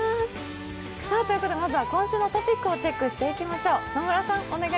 まずは今週のトピックをチェックしていきましょう。